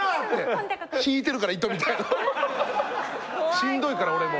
しんどいから俺も。